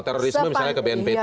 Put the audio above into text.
terorisme misalnya ke bnpt